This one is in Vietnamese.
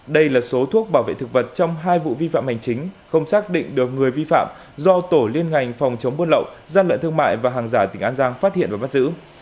đây là số thuốc bảo vệ thực vật trong hai vụ vi phạm hành chính không xác định được người vi phạm do tổ liên ngành phòng chống buôn lậu gian lận thương mại và hàng giả tỉnh an giang phát hiện và bắt giữ